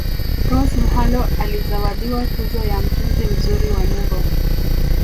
Rose Muhando alizawadiwa tuzo ya Mtunzi mzuri wa nyimbo